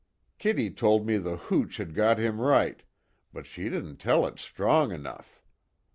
Kitty told me the hooch had got him right but she didn't tell it strong enough.